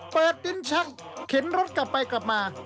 เปิดดินชักเข็นรถกลับไปกลับมา